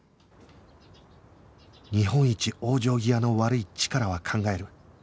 日本一往生際の悪いチカラは考える